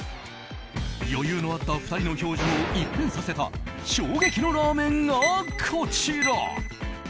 余裕のあった２人の表情を一変させた衝撃のラーメンがこちら。